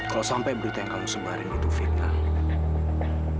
kalau sampai berita yang kamu sebarin itu fitnah